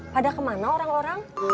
pada kemana orang orang